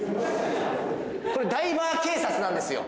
これダイバー警察なんですよ